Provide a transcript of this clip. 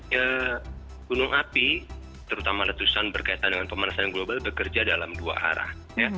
jadi gunung api terutama letusan berkaitan dengan pemanasan global bekerja dalam dua arah